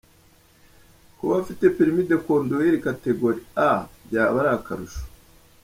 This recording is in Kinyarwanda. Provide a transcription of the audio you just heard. Kuba afite permis de conduire categorie A byaba ari akarusho.